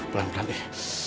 pelan pelan nih